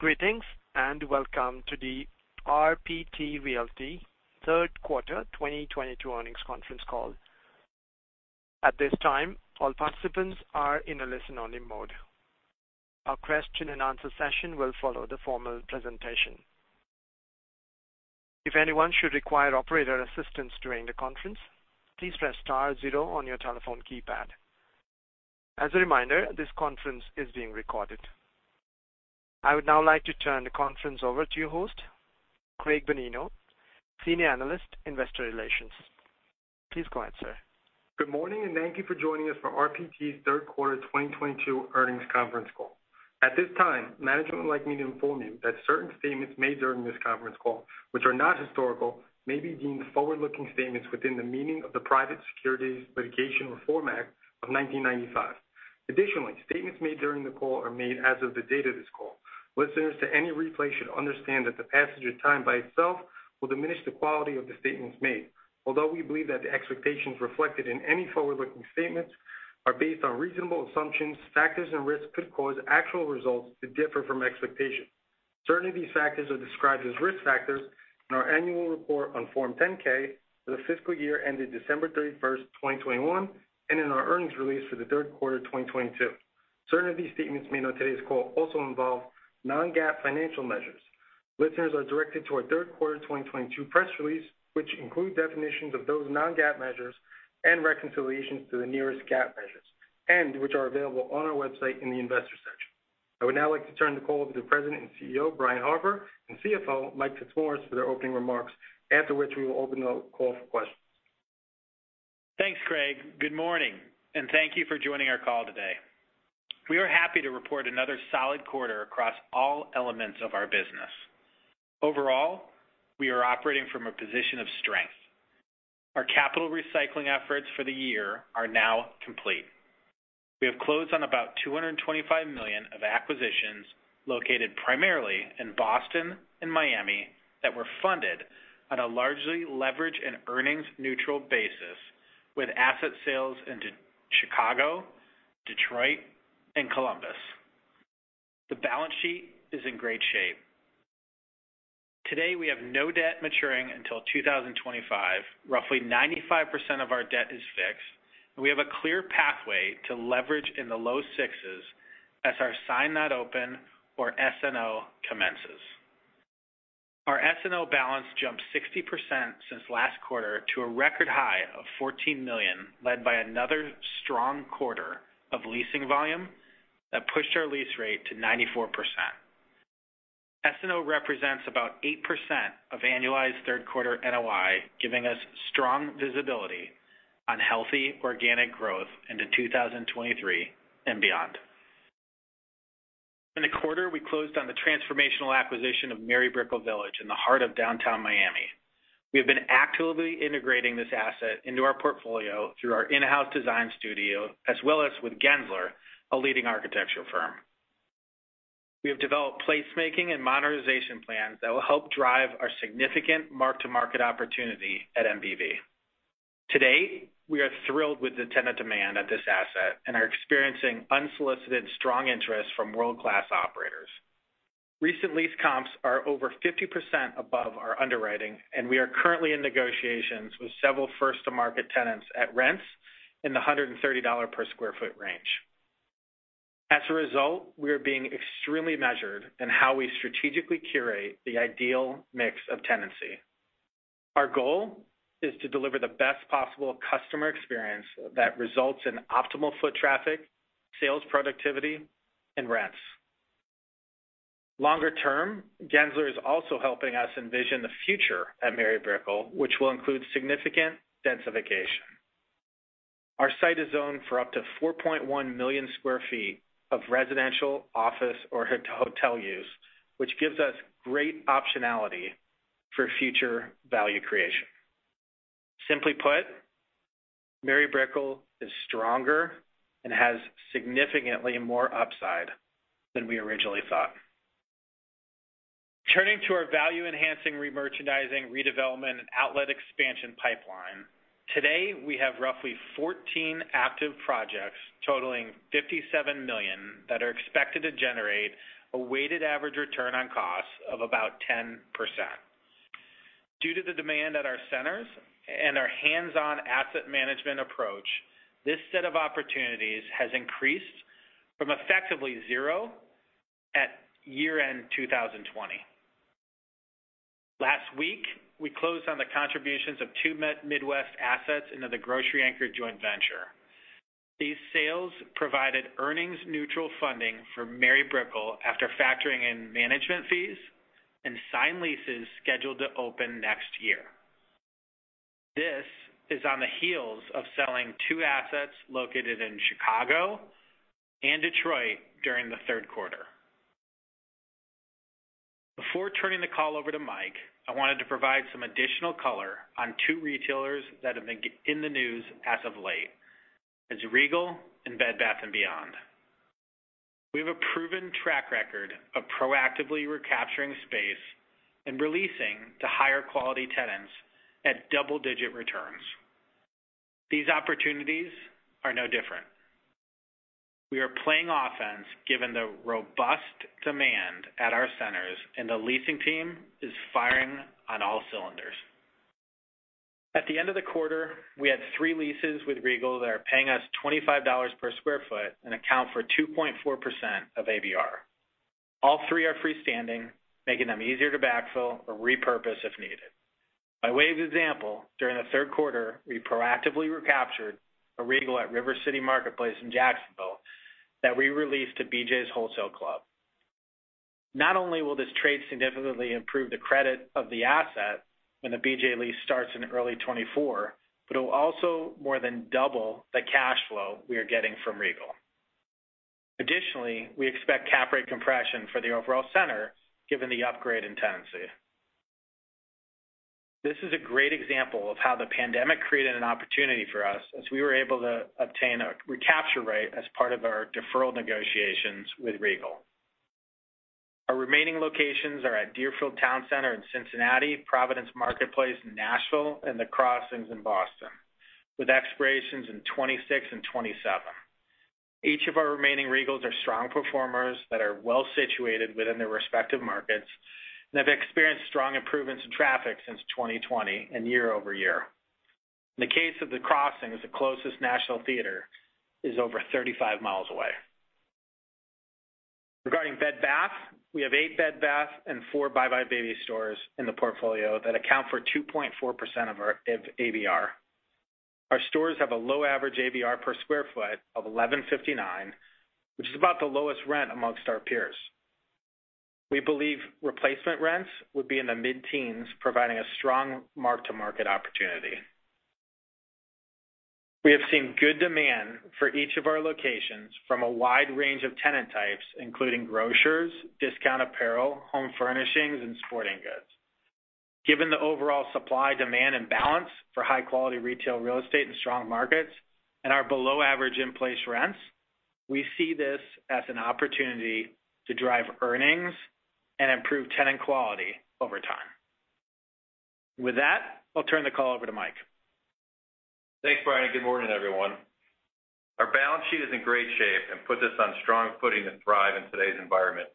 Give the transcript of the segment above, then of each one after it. Greetings, and welcome to the RPT Realty third quarter 2022 earnings conference call. At this time, all participants are in a listen-only mode. A question and answer session will follow the formal presentation. If anyone should require operator assistance during the conference, please press star zero on your telephone keypad. As a reminder, this conference is being recorded. I would now like to turn the conference over to your host, Craig Benigno, Senior Analyst, Investor Relations. Please go ahead, sir. Good morning, and thank you for joining us for RPT's third quarter 2022 earnings conference call. At this time, management would like me to inform you that certain statements made during this conference call, which are not historical, may be deemed forward-looking statements within the meaning of the Private Securities Litigation Reform Act of 1995. Additionally, statements made during the call are made as of the date of this call. Listeners to any replay should understand that the passage of time by itself will diminish the quality of the statements made. Although we believe that the expectations reflected in any forward-looking statements are based on reasonable assumptions, factors and risks could cause actual results to differ from expectations. Certain of these factors are described as risk factors in our annual report on Form 10-K for the fiscal year ended December 31, 2021, and in our earnings release for the third quarter of 2022. Certain of these statements made on today's call also involve non-GAAP financial measures. Listeners are directed to our third quarter 2022 press release, which includes definitions of those non-GAAP measures and reconciliations to the nearest GAAP measures, and which is available on our website in the Investors section. I would now like to turn the call over to President and CEO Brian Harper and CFO Mike Titsworth for their opening remarks, after which we will open the call for questions. Thanks, Craig. Good morning, and thank you for joining our call today. We are happy to report another solid quarter across all elements of our business. Overall, we are operating from a position of strength. Our capital recycling efforts for the year are now complete. We have closed on about $225 million of acquisitions located primarily in Boston and Miami that were funded on a largely leverage and earnings neutral basis with asset sales into Chicago, Detroit, and Columbus. The balance sheet is in great shape. Today, we have no debt maturing until 2025. Roughly 95% of our debt is fixed, and we have a clear pathway to leverage in the low sixes as our sign not open or SNO commences. Our SNO balance jumped 60% since last quarter to a record high of $14 million, led by another strong quarter of leasing volume that pushed our lease rate to 94%. SNO represents about 8% of annualized third quarter NOI, giving us strong visibility on healthy organic growth into 2023 and beyond. In the quarter, we closed on the transformational acquisition of Mary Brickell Village in the heart of downtown Miami. We have been actively integrating this asset into our portfolio through our in-house design studio, as well as with Gensler, a leading architectural firm. We have developed placemaking and modernization plans that will help drive our significant mark-to-market opportunity at MBV. To date, we are thrilled with the tenant demand at this asset and are experiencing unsolicited strong interest from world-class operators. Recent lease comps are over 50% above our underwriting, and we are currently in negotiations with several first-to-market tenants at rents in the $130 per sq ft range. As a result, we are being extremely measured in how we strategically curate the ideal mix of tenancy. Our goal is to deliver the best possible customer experience that results in optimal foot traffic, sales productivity, and rents. Longer term, Gensler is also helping us envision the future at Mary Brickell, which will include significant densification. Our site is zoned for up to 4.1 million sq ft of residential, office, or hotel use, which gives us great optionality for future value creation. Simply put, Mary Brickell is stronger and has significantly more upside than we originally thought. Turning to our value-enhancing remerchandising, redevelopment, and outlet expansion pipeline, today we have roughly 14 active projects totaling $57 million that are expected to generate a weighted average return on cost of about 10%. Due to the demand at our centers and our hands-on asset management approach, this set of opportunities has increased from effectively zero at year-end 2020. Last week, we closed on the contributions of two mid-Midwest assets into the grocery anchor joint venture. These sales provided earnings neutral funding for Mary Brickell after factoring in management fees and signed leases scheduled to open next year. This is on the heels of selling two assets located in Chicago and Detroit during the third quarter. Before turning the call over to Mike, I wanted to provide some additional color on two retailers that have been in the news as of late. It's Regal and Bed Bath & Beyond. We have a proven track record of proactively recapturing space and re-leasing to higher quality tenants at double-digit returns. These opportunities are no different. We are playing offense given the robust demand at our centers, and the leasing team is firing on all cylinders. At the end of the quarter, we had three leases with Regal that are paying us $25 per sq ft and account for 2.4% of ABR. All three are freestanding, making them easier to backfill or repurpose if needed. By way of example, during the third quarter, we proactively recaptured a Regal at River City Marketplace in Jacksonville that we released to BJ's Wholesale Club. Not only will this trade significantly improve the credit of the asset when the BJ's lease starts in early 2024, but it will also more than double the cash flow we are getting from Regal. Additionally, we expect cap rate compression for the overall center given the upgrade in tenancy. This is a great example of how the pandemic created an opportunity for us as we were able to obtain a recapture rate as part of our deferral negotiations with Regal. Our remaining locations are at Deerfield Town Center in Cincinnati, Providence Marketplace in Nashville, and The Crossings in Newington, New Hampshire, with expirations in 2026 and 2027. Each of our remaining Regals are strong performers that are well situated within their respective markets and have experienced strong improvements in traffic since 2020 and year-over-year. In the case of The Crossings, the closest national theater is over 35 miles away. Regarding Bed Bath & Beyond, we have 8 Bed Bath & Beyond and 4 buybuy Baby stores in the portfolio that account for 2.4% of our ABR. Our stores have a low average ABR per sq ft of $1,159, which is about the lowest rent among our peers. We believe replacement rents would be in the mid-teens, providing a strong mark to market opportunity. We have seen good demand for each of our locations from a wide range of tenant types, including grocers, discount apparel, home furnishings, and sporting goods. Given the overall supply, demand, and balance for high-quality retail real estate in strong markets and our below average in-place rents, we see this as an opportunity to drive earnings and improve tenant quality over time. With that, I'll turn the call over to Mike. Thanks, Brian. Good morning, everyone. Our balance sheet is in great shape and puts us on strong footing to thrive in today's environment.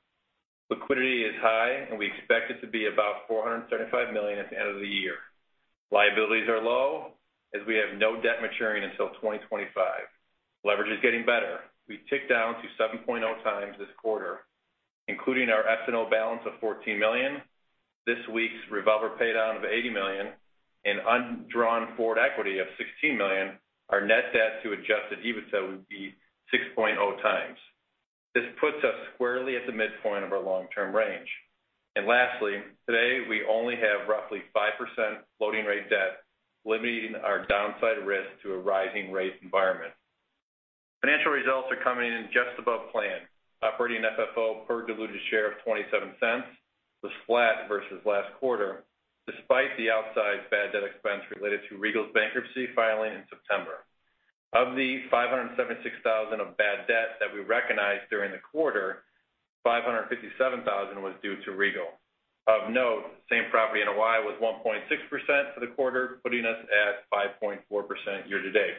Liquidity is high, and we expect it to be about $435 million at the end of the year. Liabilities are low as we have no debt maturing until 2025. Leverage is getting better. We ticked down to 7.0x this quarter, including our S&O balance of $14 million, this week's revolver paydown of $80 million, and undrawn forward equity of $16 million, our net debt to adjusted EBITDA would be 6.0x. This puts us squarely at the midpoint of our long-term range. Lastly, today, we only have roughly 5% floating rate debt, limiting our downside risk to a rising rate environment. Financial results are coming in just above plan. Operating FFO per diluted share of $0.27 was flat versus last quarter, despite the outsized bad debt expense related to Regal's bankruptcy filing in September. Of the $576 thousand of bad debt that we recognized during the quarter, $557 thousand was due to Regal. Of note, same property NOI was 1.6% for the quarter, putting us at 5.4% year to date.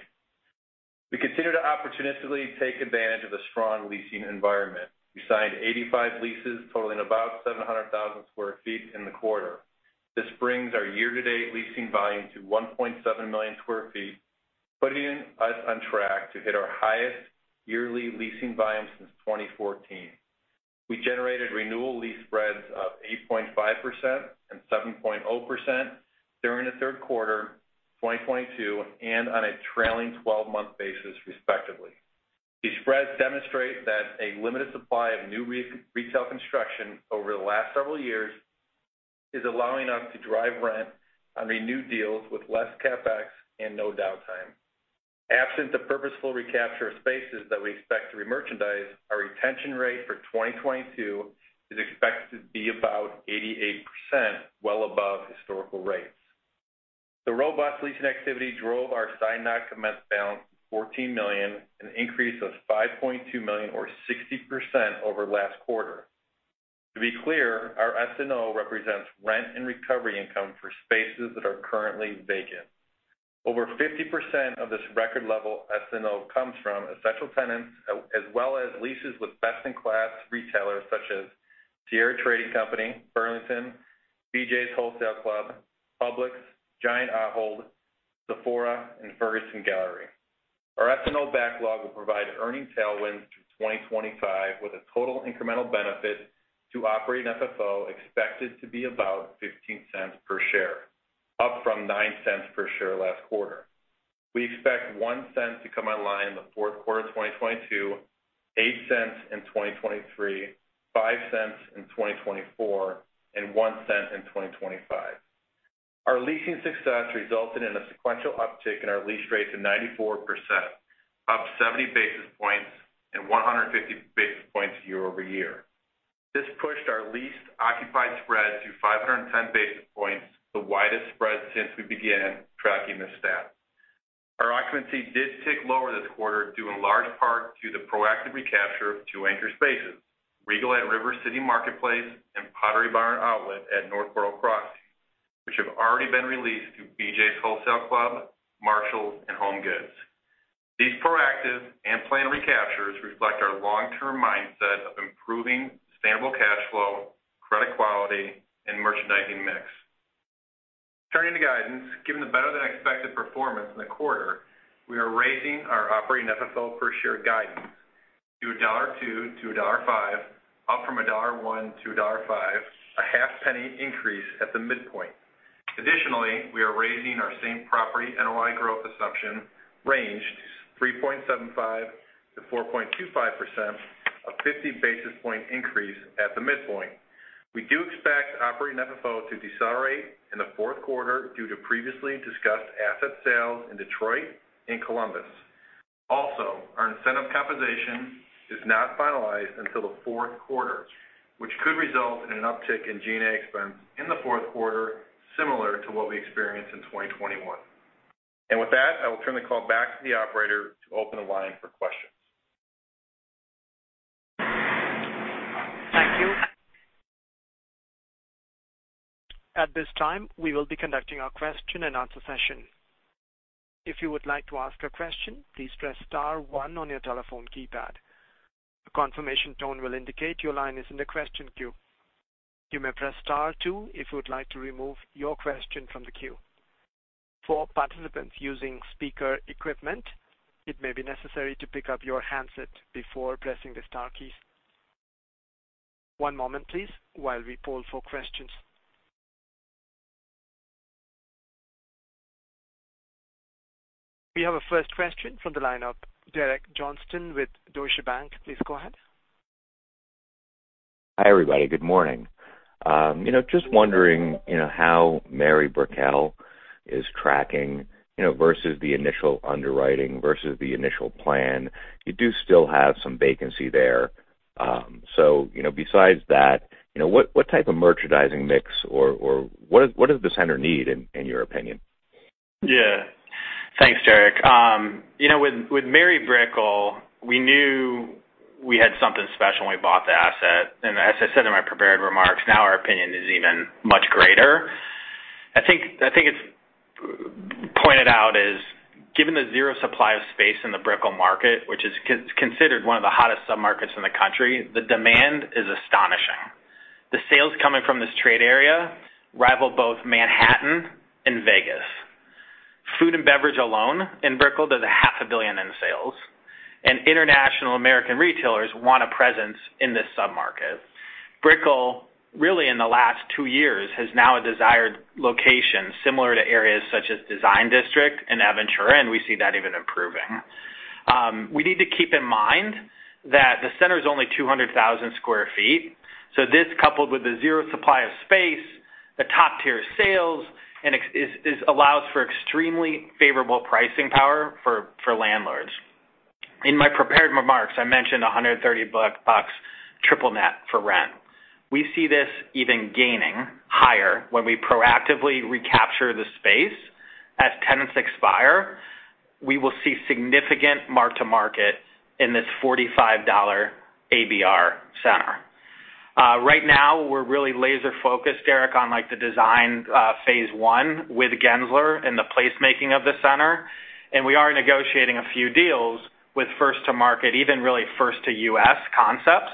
We continue to opportunistically take advantage of the strong leasing environment. We signed 85 leases totaling about 700,000 sq ft in the quarter. This brings our year-to-date leasing volume to 1.7 million sq ft, putting us on track to hit our highest yearly leasing volume since 2014. We generated renewal lease spreads of 8.5% and 7.0% during the third quarter of 2022 and on a trailing-twelve-month basis, respectively. These spreads demonstrate that a limited supply of new retail construction over the last several years is allowing us to drive rent on renewed deals with less CapEx and no downtime. Absent the purposeful recapture of spaces that we expect to remerchandise, our retention rate for 2022 is expected to be about 88%, well above historical rates. The robust leasing activity drove our signed net commence balance to $14 million, an increase of $5.2 million or 60% over last quarter. To be clear, our S&O represents rent and recovery income for spaces that are currently vacant. Over 50% of this record level S&O comes from essential tenants as well as leases with best-in-class retailers such as Sierra Trading Post, Burlington, BJ's Wholesale Club, Publix, GIANT/Ahold, Sephora, and Ferguson Bath, Kitchen & Lighting Gallery. Our S&O backlog will provide earnings tailwinds through 2025, with a total incremental benefit to operating FFO expected to be about $0.15 per share, up from $0.09 per share last quarter. We expect $0.01 to come online in the fourth quarter of 2022, $0.08 in 2023, $0.05 in 2024, and $0.01 in 2025. Our leasing success resulted in a sequential uptick in our lease rate to 94%, up 70 basis points and 150 basis points year-over-year. This pushed our leased occupied spread to 510 basis points, the widest spread since we began tracking this stat. Our occupancy did tick lower this quarter, due in large part to the proactive recapture of two anchor spaces. Regal at River City Marketplace and Pottery Barn Outlet at Northborough Crossing, which have already been released through BJ's Wholesale Club, Marshalls, and HomeGoods. These proactive and planned recaptures reflect our long-term mindset of improving sustainable cash flow, credit quality, and merchandising mix. Turning to guidance, given the better-than-expected performance in the quarter, we are raising our operating FFO per share guidance to $1.02-$1.05, up from $1.01-$1.05, a half penny increase at the midpoint. Additionally, we are raising our same property NOI growth assumption range, 3.75%-4.25%, a 50 basis point increase at the midpoint. We do expect operating FFO to decelerate in the fourth quarter due to previously discussed asset sales in Detroit and Columbus. Also, our incentive compensation is not finalized until the fourth quarter, which could result in an uptick in G&A expense in the fourth quarter, similar to what we experienced in 2021. With that, I will turn the call back to the operator to open the line for questions. Thank you. At this time, we will be conducting our question-and-answer session. If you would like to ask a question, please press star one on your telephone keypad. A confirmation tone will indicate your line is in the question queue. You may press star two if you would like to remove your question from the queue. For participants using speaker equipment, it may be necessary to pick up your handset before pressing the star keys. One moment, please, while we poll for questions. We have a first question from the line of Derek Johnston with Deutsche Bank. Please go ahead. Hi, everybody. Good morning. Just wondering, you know, how Mary Brickell is tracking, you know, versus the initial underwriting versus the initial plan. You do still have some vacancy there. Besides that, you know, what type of merchandising mix or what does the center need in your opinion? Yeah. Thanks, Derek. You know, with Mary Brickell, we knew we had something special when we bought the asset. As I said in my prepared remarks, now our opinion is even much greater. I think it's pointed out, given the zero supply of space in the Brickell market, which is considered one of the hottest submarkets in the country, the demand is astonishing. The sales coming from this trade area rival both Manhattan and Vegas. Food and beverage alone in Brickell does $ half a billion in sales, and international American retailers want a presence in this submarket. Brickell, really in the last two years, has now a desired location similar to areas such as Design District and Aventura, and we see that even improving. We need to keep in mind that the center is only 200,000 sq ft, so this coupled with the zero supply of space, the top-tier sales, and it allows for extremely favorable pricing power for landlords. In my prepared remarks, I mentioned $130 bucks triple net for rent. We see this even gaining higher when we proactively recapture the space. As tenants expire, we will see significant mark-to-market in this $45 ABR center. Right now, we're really laser focused, Derek, on like the design phase one with Gensler and the placemaking of the center. We are negotiating a few deals with first-to-market, even really first-to-U.S. concepts.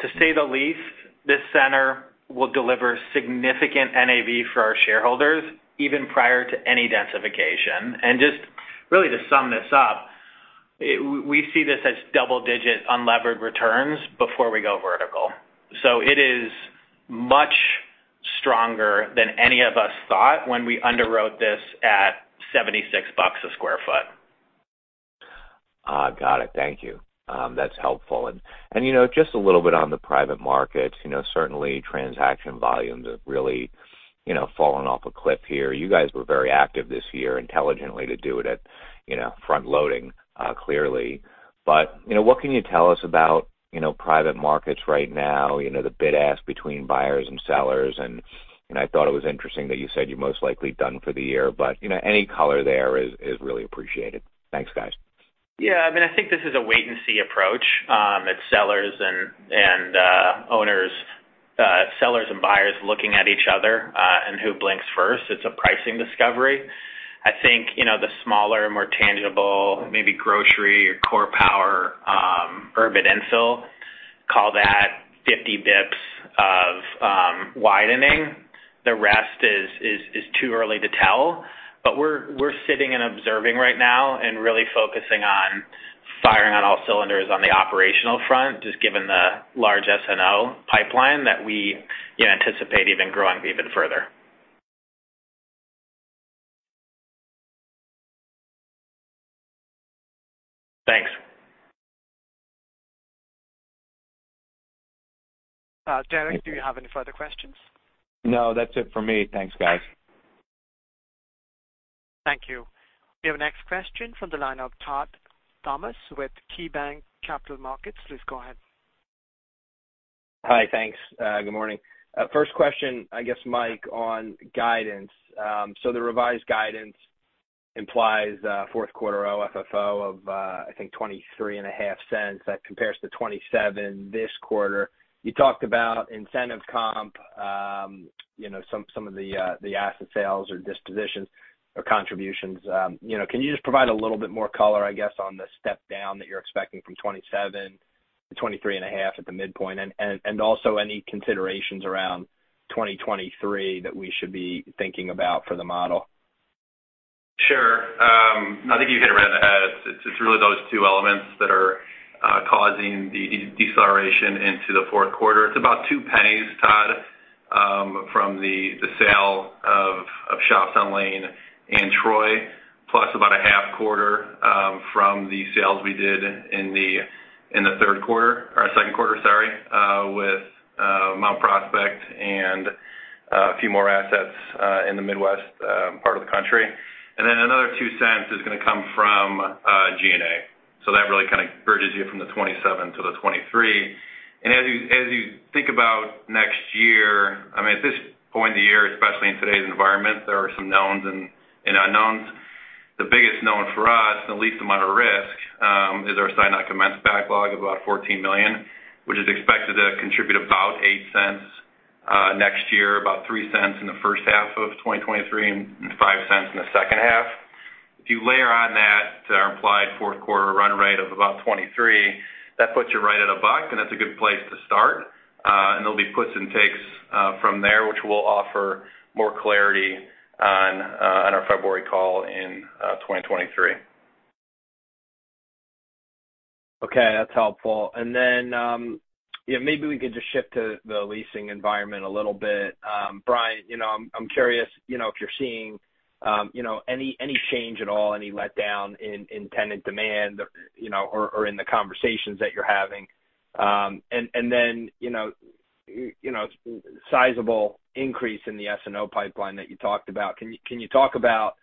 To say the least, this center will deliver significant NAV for our shareholders even prior to any densification. Just really to sum this up, we see this as double-digit unlevered returns before we go vertical. It is much stronger than any of us thought when we underwrote this at $76 a sq ft. Got it. Thank you. That's helpful. You know, just a little bit on the private market. You know, certainly transaction volumes have really, you know, fallen off a cliff here. You guys were very active this year intelligently to do it at front loading, clearly. You know, what can you tell us about, you know, private markets right now, you know, the bid-ask between buyers and sellers? You know, I thought it was interesting that you said you're most likely done for the year, but, you know, any color there is really appreciated. Thanks, guys. Yeah, I mean, I think this is a wait-and-see approach, as sellers and owners and buyers looking at each other, and who blinks first. It's a price discovery. I think, you know, the smaller, more tangible, maybe grocery or core power, urban infill, call that 50 basis points of widening. The rest is too early to tell. We're sitting and observing right now and really focusing on firing on all cylinders on the operational front, just given the large S&O pipeline that we anticipate even growing even further. Thanks. Derek, do you have any further questions? No. That's it for me. Thanks, guys. Thank you. We have a next question from the line of Todd Thomas with KeyBanc Capital Markets. Please go ahead. Good morning. First question, I guess, Mike, on guidance. So the revised guidance implies fourth quarter OFFO of $0.235. That compares to $0.27 this quarter. You talked about incentive comp, you know, some of the asset sales or dispositions or contributions. You know, can you just provide a little bit more color, I guess, on the step down that you're expecting from $0.27-$0.235 at the midpoint? And also any considerations around 2023 that we should be thinking about for the model. Sure. I think you hit it right on the head. It's really those two elements that are causing the deceleration into the fourth quarter. It's about two cents, Todd, from the sale of Shops at Lane Avenue and Troy, plus about a half quarter from the sales we did in the third quarter or second quarter, sorry, with Mount Prospect and a few more assets in the Midwest part of the country. Then another two cents is gonna come from G&A. That really kind of bridges you from the 27 to the 23. As you think about next year, I mean, at this point in the year, especially in today's environment, there are some knowns and unknowns. The biggest known for us and least amount of risk is our signed not commenced backlog of about $14 million, which is expected to contribute about $0.08 next year, about $0.03 in the first half of 2023 and $0.05 in the second half. If you layer on that to our implied fourth quarter run rate of about $0.23, that puts you right at $1.00, and that's a good place to start. There'll be puts and takes from there, which we'll offer more clarity on on our February call in 2023. Okay, that's helpful. Then yeah, maybe we could just shift to the leasing environment a little bit. Brian, you know, I'm curious if you're seeing, you know, any change at all, any letdown in tenant demand or in the conversations that you're having. You know, sizable increase in the S&O pipeline that you talked about. Can you talk about,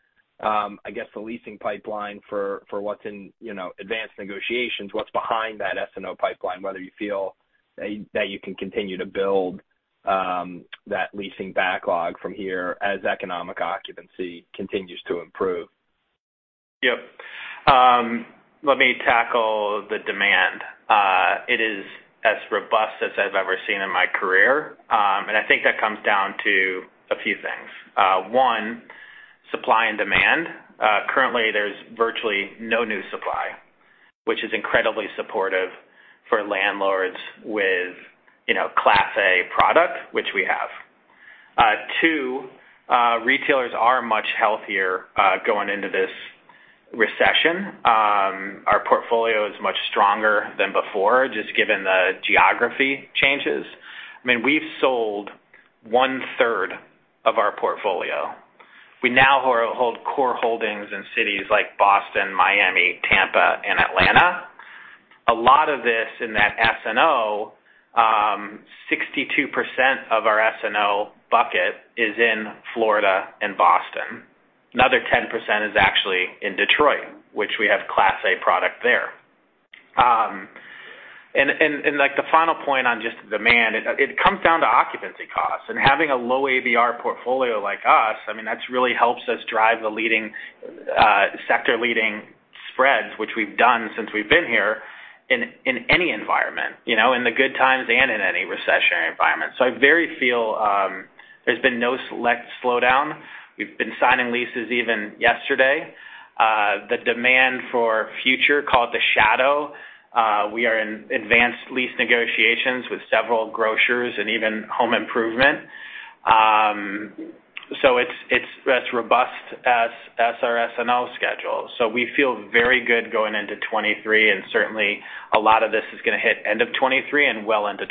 I guess the leasing pipeline for what's in, you know, advanced negotiations, what's behind that S&O pipeline, whether you feel that you can continue to build that leasing backlog from here as economic occupancy continues to improve? Yep. Let me tackle the demand. It is as robust as I've ever seen in my career. I think that comes down to a few things. One, supply and demand. Currently there's virtually no new supply, which is incredibly supportive for landlords with, you know, class A product, which we have. Two, retailers are much healthier going into this recession. Our portfolio is much stronger than before, just given the geography changes. I mean, we've sold 1/3 of our portfolio. We now hold core holdings in cities like Boston, Miami, Tampa and Atlanta. A lot of this in that S&O, 62% of our S&O bucket is in Florida and Boston. Another 10% is actually in Detroit, which we have class A product there. Like the final point on just demand, it comes down to occupancy costs and having a low ABR portfolio like us, I mean, that really helps us drive the leading sector-leading spreads, which we've done since we've been here in any environment, you know. In the good times and in any recessionary environment. I feel very. There's been no slowdown. We've been signing leases even yesterday. The demand for future called the shadow. We are in advanced lease negotiations with several grocers and even home improvement. It's as robust as our S&O schedule. We feel very good going into 2023, and certainly a lot of this is gonna hit end of 2023 and well into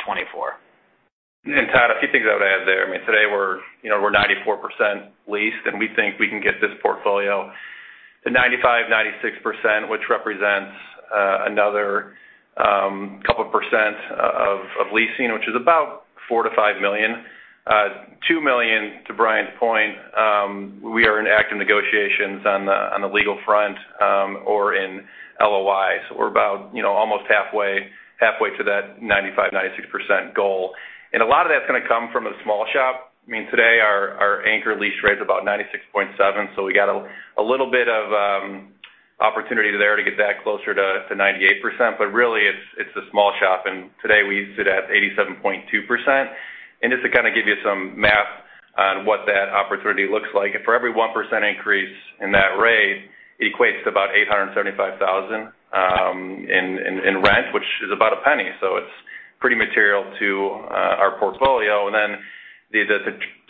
2024. Todd, a few things I would add there. I mean, today we're ninety-four percent leased, and we think we can get this portfolio to 95%, 96%, which represents another couple percent of leasing, which is about $4 million-$5 million. 2 million, to Brian's point, we are in active negotiations on the leasing front or in LOI. We're about almost halfway to that 95%, 96% goal. A lot of that's gonna come from a small shop. I mean, today our anchor lease rate is about ninety-six point seven, so we got a little bit of opportunity there to get that closer to 98%. Really it's the small shop, and today we sit at 87.2% Just to kind of give you some math on what that opportunity looks like, for every 1% increase in that rate equates to about $875,000 in rent, which is about a penny. It's pretty material to our portfolio. The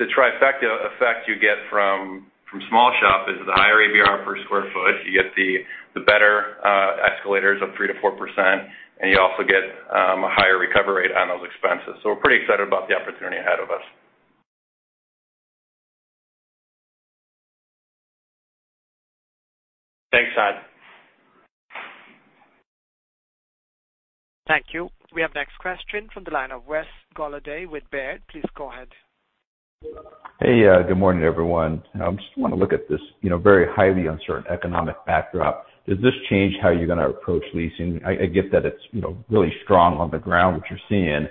trifecta effect you get from small shop is the higher AVR per sq ft. You get the better escalators of 3%-4%, and you also get a higher recovery rate on those expenses. We're pretty excited about the opportunity ahead of us. Thanks, Todd. Thank you. We have next question from the line of Wes Golladay with Baird. Please go ahead. Hey. Good morning, everyone. Just wanna look at this, you know, very highly uncertain economic backdrop. Does this change how you're gonna approach leasing? I get that it's, you know, really strong on the ground what you're seeing,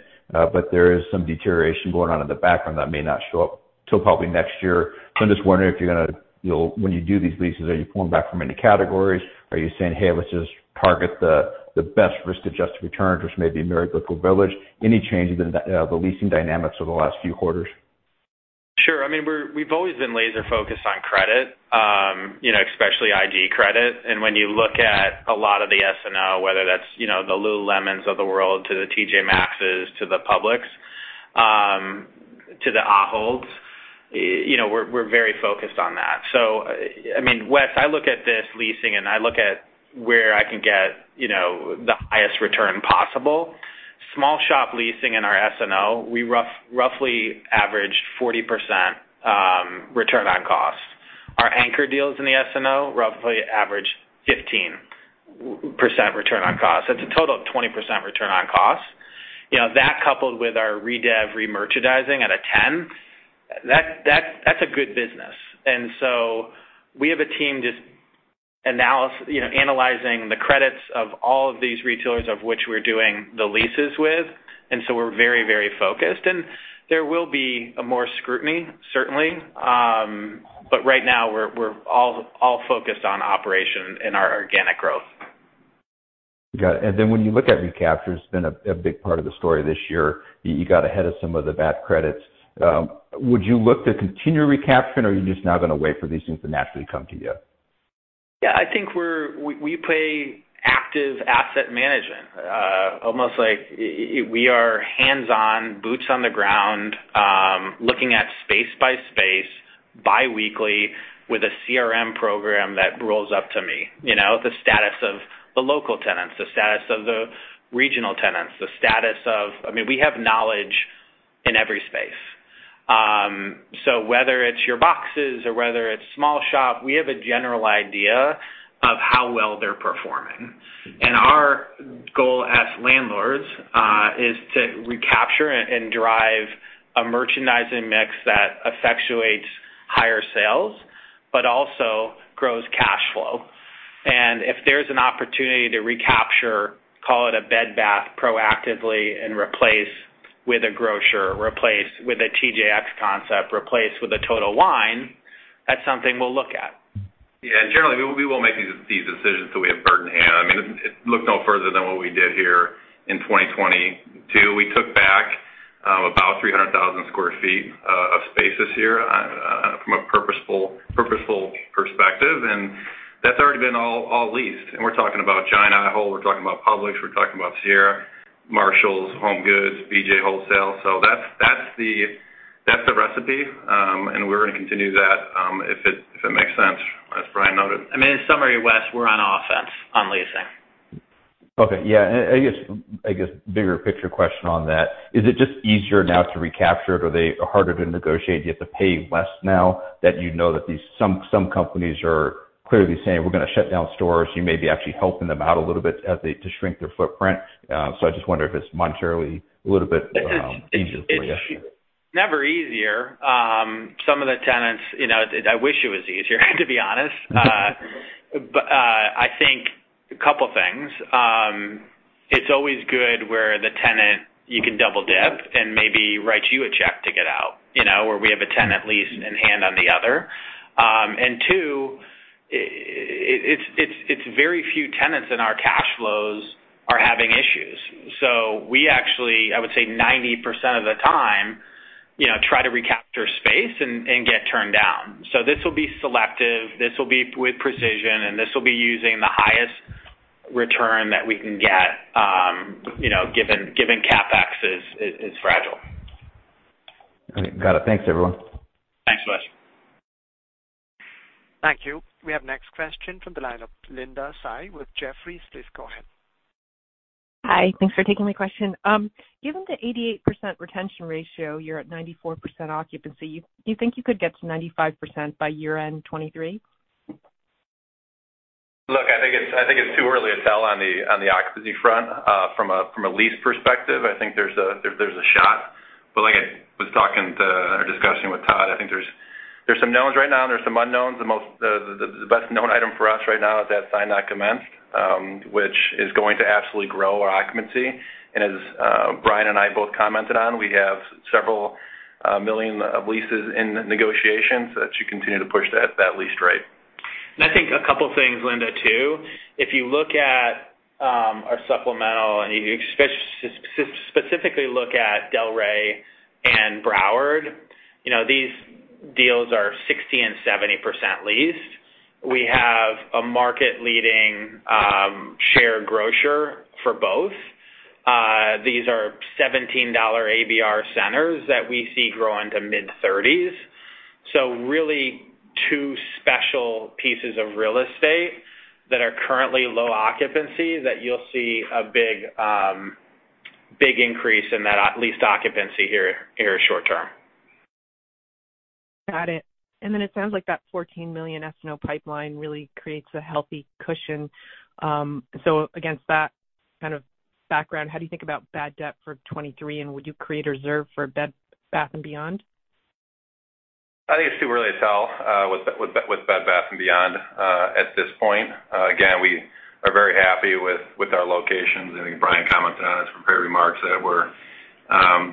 but there is some deterioration going on in the background that may not show up, so probably next year. I'm just wondering, when you do these leases, are you pulling back from any categories? Are you saying, "Hey, let's just target the best risk-adjusted returns, which may be very local village." Any changes in the leasing dynamics over the last few quarters? Sure. I mean, we've always been laser-focused on credit, you know, especially IG credit. When you look at a lot of the S&O, whether that's, you know, the Lululemon's of the world to the TJ Maxxes, to the Publix, to the Aholds, you know, we're very focused on that. I mean, Wes, I look at this leasing and I look at where I can get, you know, the highest return possible. Small shop leasing in our S&O, we roughly average 40% return on costs. Our anchor deals in the S&O roughly average 15% return on cost. That's a total of 20% return on cost. You know, that coupled with our redev remerchandising at a 10, that's a good business. We have a team just you know, analyzing the credits of all of these retailers of which we're doing the leases with, and so we're very, very focused. There will be a more scrutiny, certainly. Right now we're all focused on operation and our organic growth. Got it. When you look at recapture, it's been a big part of the story this year. You got ahead of some of the bad credits. Would you look to continue recapture, or are you just now gonna wait for these things to naturally come to you? Yeah, I think we play active asset management. Almost like we are hands-on, boots on the ground, looking at space by space biweekly with a CRM program that rolls up to me, you know, the status of the local tenants, the status of the regional tenants. I mean, we have knowledge in every space. Whether it's big boxes or whether it's small shop, we have a general idea of how well they're performing. Our goal as landlords is to recapture and drive a merchandising mix that effectuates higher sales, but also grows cash flow. If there's an opportunity to recapture, call it a Bed Bath & Beyond proactively and replace with a grocer, replace with a TJX concept, replace with a Total Wine & More, that's something we'll look at. Generally, we will make these decisions so we have the upper hand. I mean, just look no further than what we did here in 2022. We took back about 300,000 sq ft of space this year from a purposeful perspective, and that's already been leased. We're talking about GIANT/Ahold, we're talking about Publix, we're talking about Sierra, Marshalls, HomeGoods, BJ's Wholesale Club. That's the recipe, and we're gonna continue that, if it makes sense, as Brian noted. I mean, in summary, Wes, we're on offense on leasing. Okay. Yeah. I guess bigger picture question on that. Is it just easier now to recapture it? Are they harder to negotiate? Do you have to pay less now that you know that some companies are clearly saying, "We're gonna shut down stores." You may be actually helping them out a little bit as to shrink their footprint. I just wonder if it's monetarily a little bit easier for you. It's never easier. Some of the tenants, you know, I wish it was easier, to be honest. I think a couple things. It's always good where the tenant, you can double dip and maybe write you a check to get out, you know, or we have a tenant lease in hand on the other. Two, it's very few tenants in our cash flows are having issues. We actually, I would say 90% of the time, you know, try to recapture space and get turned down. This will be selective, this will be with precision, and this will be using the highest return that we can get, you know, given CapEx is fragile. Okay. Got it. Thanks, everyone. Thanks, Wes. Thank you. We have next question from the line of Linda Tsai with Jefferies. Please go ahead. Hi. Thanks for taking my question. Given the 88% retention ratio, you're at 94% occupancy, do you think you could get to 95% by year-end 2023? Look, I think it's too early to tell on the occupancy front. From a lease perspective, I think there's a shot. But like I was talking to or discussing with Todd, I think there's some knowns right now and there's some unknowns. The best-known item for us right now is that signing not commenced, which is going to absolutely grow our occupancy. As Brian and I both commented on, we have several million of leases in negotiations that should continue to push that lease rate. I think a couple things, Linda, too. If you look at our supplemental and you specifically look at Delray and Broward, you know, these deals are 60% and 70% leased. We have a market-leading anchor grocer for both. These are $17 ABR centers that we see grow into mid-30s. Really two special pieces of real estate that are currently low occupancy that you'll see a big increase in that leased occupancy here short term. Got it. It sounds like that $14 million S&O pipeline really creates a healthy cushion. Against that kind of background, how do you think about bad debt for 2023, and would you create a reserve for Bed Bath & Beyond? I think it's too early to tell with Bed Bath & Beyond at this point. Again, we are very happy with our locations, and I think Brian commented on it in his prepared remarks that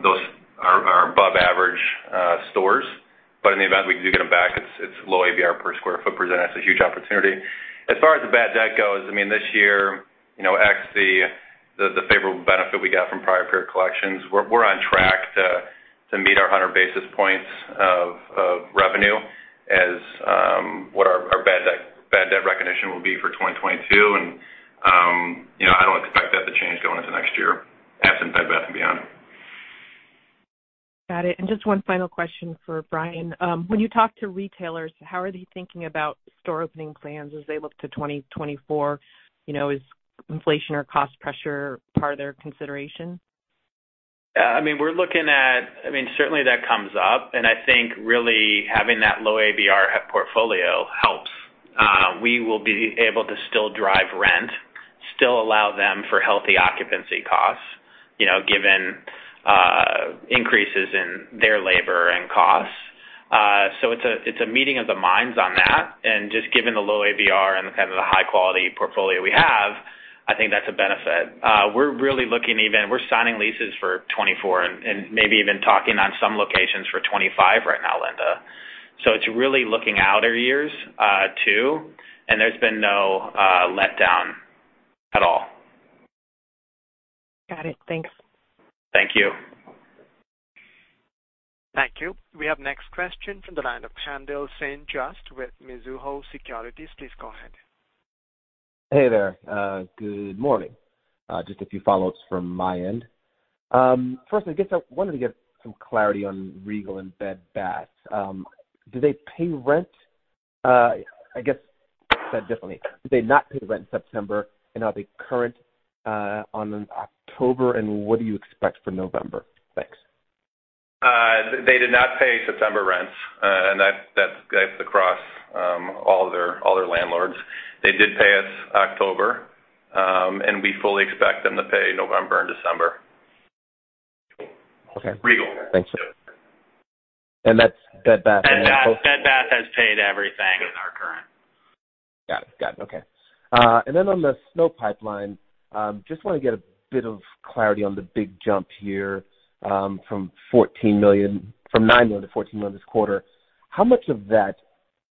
those are above average stores. But in the event we do get them back, it's low ABR per square foot present. That's a huge opportunity. As far as the bad debt goes, I mean, this year, you know, the favorable benefit we got from prior period collections, we're on track to meet our 100 basis points of revenue as what our bad debt recognition will be for 2022. You know, I don't expect that to change going into next year absent Bed Bath & Beyond. Got it. Just one final question for Brian. When you talk to retailers, how are they thinking about store opening plans as they look to 2024? You know, is inflation or cost pressure part of their consideration? Yeah, I mean, we're looking at. I mean, certainly that comes up, and I think really having that low ABR portfolio helps. We will be able to still drive rent, still allow them for healthy occupancy costs, you know, given increases in their labor and costs. So it's a meeting of the minds on that. Just given the low ABR and kind of the high quality portfolio we have, I think that's a benefit. We're signing leases for 2024 and maybe even talking on some locations for 2025 right now, Linda. It's really looking outer years too, and there's been no letdown at all. Got it. Thanks. Thank you. Thank you. We have next question from the line of Haendel St. Juste with Mizuho Securities. Please go ahead. Hey there. Good morning. Just a few follow-ups from my end. First, I guess I wanted to get some clarity on Regal and Bed Bath & Beyond. Do they pay rent? I guess said differently, did they not pay the rent in September? Are they current on October? What do you expect for November? Thanks. They did not pay September rents. That's across all their landlords. They did pay us October, and we fully expect them to pay November and December. Okay. Regal. Thanks. That's Bed Bath & Beyond. Bed Bath & Beyond has paid everything and are current. Got it. Okay. On the SNO pipeline, just wanna get a bit of clarity on the big jump here, from $9 million-$14 million this quarter. How much of that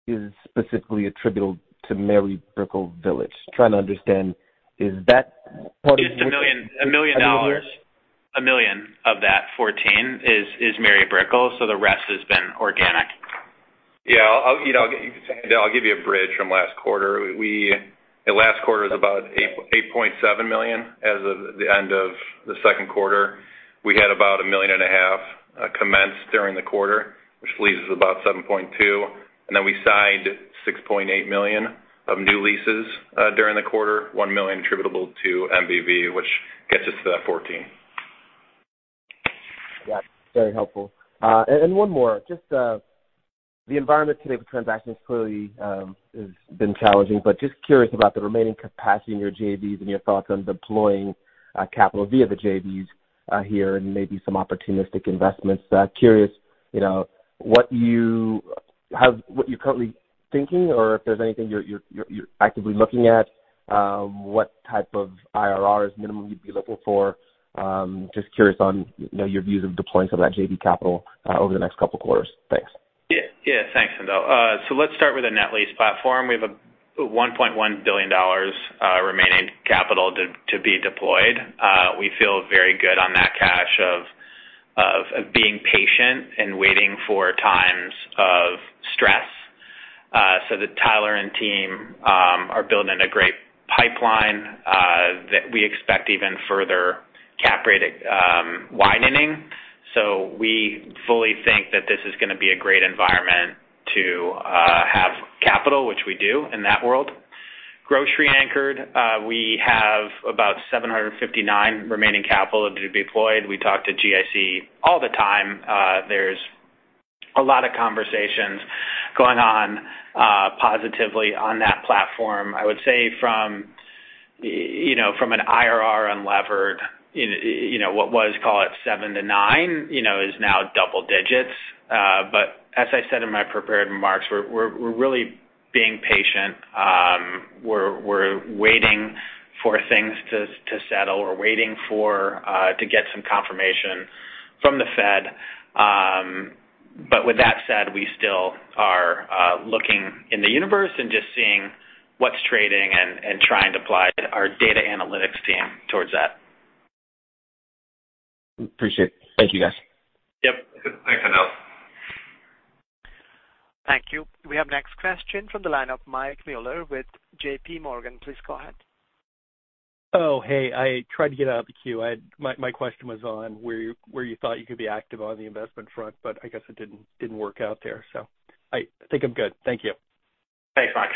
is specifically attributable to Mary Brickell Village? Trying to understand, is that part of $1 million of that 14 is Mary Brickell Village, so the rest has been organic. Yeah, you know, I'll give you a bridge from last quarter. Last quarter was about 8.7 million as of the end of the second quarter. We had about 1.5 million commenced during the quarter, which leaves us about 7.2 million. Then we signed 6.8 million of new leases during the quarter, 1 million attributable to MBV, which gets us to that 14. Got it. Very helpful. One more. Just the environment today with transactions clearly has been challenging, but just curious about the remaining capacity in your JVs and your thoughts on deploying capital via the JVs here, and maybe some opportunistic investments. Curious, you know, what you're currently thinking or if there's anything you're actively looking at, what type of IRRs minimum you'd be looking for. Just curious on, you know, your views of deploying some of that JV capital over the next couple quarters. Thanks. Yeah. Thanks, Haendel St. Juste. Let's start with the net lease platform. We have $1.1 billion remaining capital to be deployed. We feel very good on that cash of being patient and waiting for times of stress. Tyler and team are building a great pipeline that we expect even further cap rate widening. We fully think that this is gonna be a great environment to have capital, which we do in that world. Grocery anchored, we have about $759 million remaining capital to be deployed. We talk to GIC all the time. There's a lot of conversations going on positively on that platform. I would say from, you know, from an IRR unlevered, you know, what was call it 7-9, you know, is now double digits. As I said in my prepared remarks, we're really being patient. We're waiting for things to settle. We're waiting to get some confirmation from the Fed. With that said, we still are looking in the universe and just seeing what's trading and trying to apply our data analytics team towards that. Appreciate it. Thank you, guys. Yep. Thanks, Haendel St. Juste. Thank you. We have next question from the line of Mike Mueller with JPMorgan. Please go ahead. Oh, hey, I tried to get out of the queue. My question was on where you thought you could be active on the investment front, but I guess it didn't work out there. I think I'm good. Thank you. Thanks, Mike.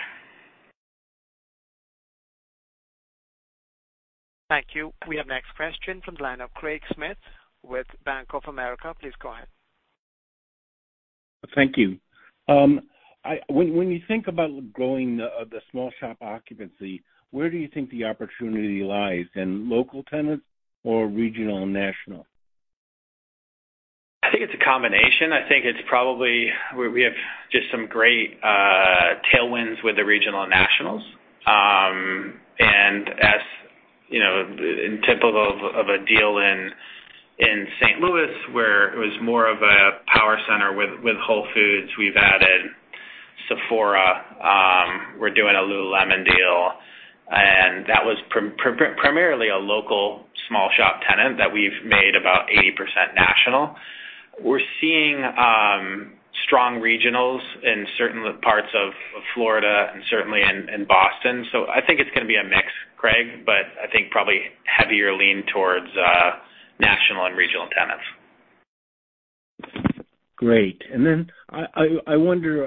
Thank you. We have next question from the line of Craig Schmidt with Bank of America. Please go ahead. Thank you. When you think about growing the small shop occupancy, where do you think the opportunity lies, in local tenants or regional and national? I think it's a combination. I think it's probably where we have just some great tailwinds with the regional nationals. And as you know, typical of a deal in St. Louis, where it was more of a power center with Whole Foods, we've added Sephora, we're doing a lululemon deal, and that was primarily a local small shop tenant that we've made about 80% national. We're seeing strong regionals in certain parts of Florida and certainly in Boston. I think it's gonna be a mix, Craig, but I think probably heavier lean towards national and regional tenants. Great. I wonder,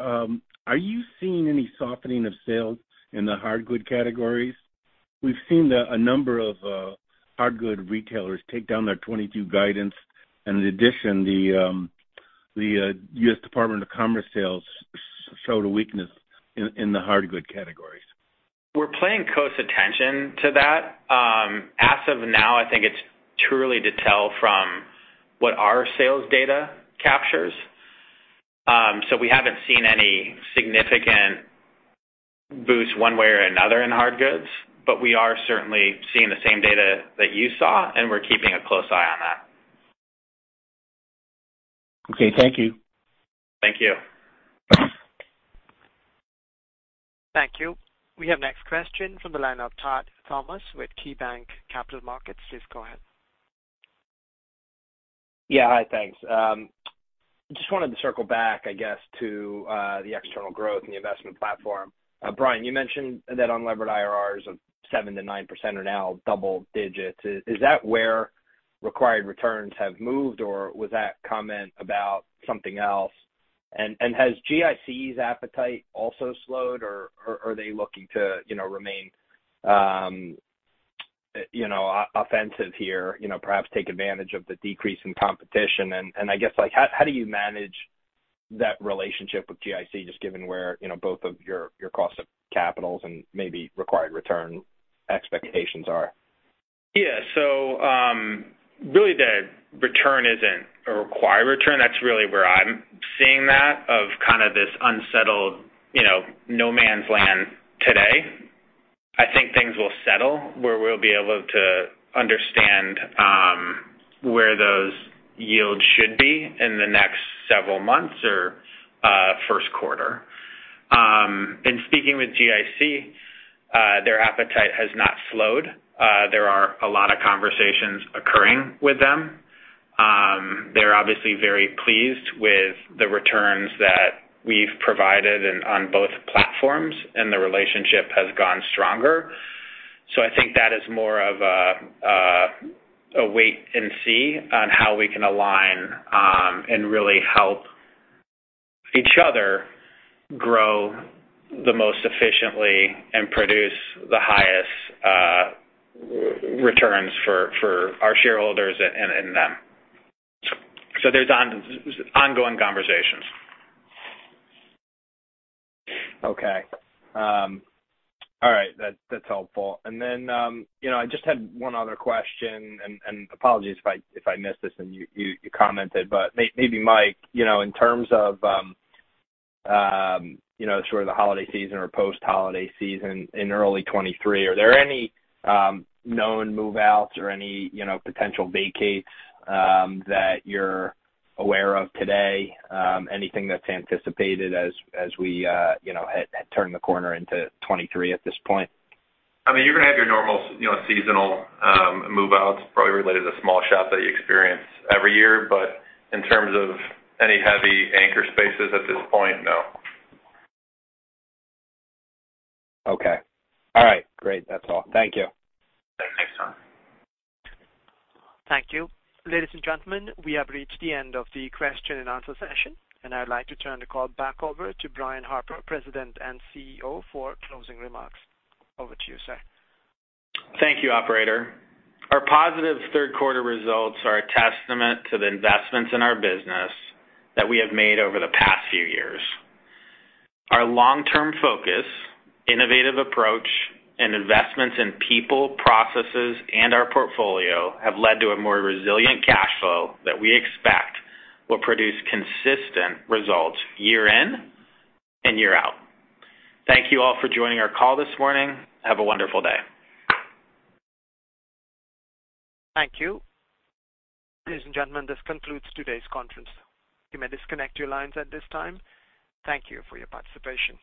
are you seeing any softening of sales in the hard good categories? We've seen a number of hard good retailers take down their 2022 guidance and in addition, the U.S. Department of Commerce sales showed a weakness in the hard good categories. We're paying close attention to that. As of now, I think it's too early to tell from what our sales data captures. We haven't seen any significant boost one way or another in hard goods, but we are certainly seeing the same data that you saw, and we're keeping a close eye on that. Okay, thank you. Thank you. Thank you. We have next question from the line of Todd Thomas with KeyBanc Capital Markets. Please go ahead. Yeah. Hi. Thanks. Just wanted to circle back, I guess, to the external growth and the investment platform. Brian, you mentioned that unlevered IRRs of 7%-9% are now double digits. Is that where required returns have moved, or was that comment about something else? Has GIC's appetite also slowed or are they looking to remain offensive here, you know, perhaps take advantage of the decrease in competition? I guess, like, how do you manage that relationship with GIC, just given where, you know, both of your cost of capitals and maybe required return expectations are? Yeah. Really the return isn't a required return. That's really where I'm seeing that, of kind of this unsettled, you know, no man's land today. I think things will settle, where we'll be able to understand, where those yields should be in the next several months or, first quarter. In speaking with GIC, their appetite has not slowed. There are a lot of conversations occurring with them. They're obviously very pleased with the returns that we've provided on both platforms, and the relationship has gotten stronger. I think that is more of a wait and see on how we can align, and really help each other grow the most efficiently and produce the highest returns for our shareholders and them. There's ongoing conversations. Okay. All right. That's helpful. Then, you know, I just had one other question, and apologies if I missed this and you commented. Maybe, Mike, you know, in terms of, you know, sort of the holiday season or post-holiday season in early 2023, are there any known move-outs or any, you know, potential vacates, that you're aware of today? Anything that's anticipated as we, you know, at turning the corner into 2023 at this point? I mean, you're gonna have your normal, you know, seasonal, move-outs probably related to small shops that you experience every year. In terms of any heavy anchor spaces at this point, no. Okay. All right. Great. That's all. Thank you. Thanks, Todd. Thank you. Ladies and gentlemen, we have reached the end of the question and answer session, and I'd like to turn the call back over to Brian Harper, President and CEO, for closing remarks. Over to you, sir. Thank you, operator. Our positive third quarter results are a testament to the investments in our business that we have made over the past few years. Our long-term focus, innovative approach, and investments in people, processes, and our portfolio have led to a more resilient cash flow that we expect will produce consistent results year in and year out. Thank you all for joining our call this morning. Have a wonderful day. Thank you. Ladies and gentlemen, this concludes today's conference. You may disconnect your lines at this time. Thank you for your participation.